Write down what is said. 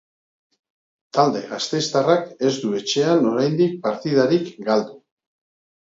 Talde gasteiztarrak ez du etxean oraindik partidarik galdu.